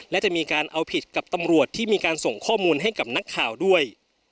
และจะมีการเอาผิดกับตำรวจที่มีการส่งข้อมูลให้กับนักข่าวด้วย